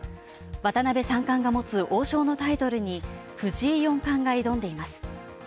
渡辺三冠が持つ王将のタイトルに藤井四冠が挑んでいます。